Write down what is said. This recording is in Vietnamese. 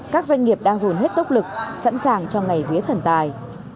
các doanh nghiệp đang dồn hết tốc lực sẵn sàng cho ngày vía thần tài